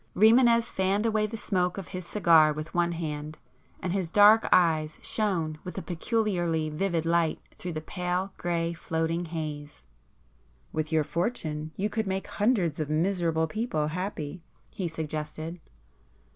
Rimânez fanned away the smoke of his cigar with one hand, and his dark eyes shone with a peculiarly vivid light through the pale grey floating haze. "With your fortune, you could make hundreds of miserable people happy;"—he suggested.